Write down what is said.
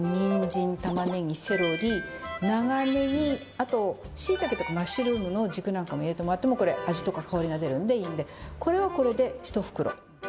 あと、しいたけとかマッシュルームの軸なんかも入れてもらってもこれ、味とか香りが出るんでいいんで、これはこれで１袋。